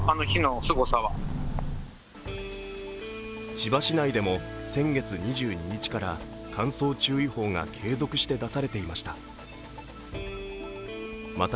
千葉市内でも先月２２日から乾燥注意報が継続して出されていました。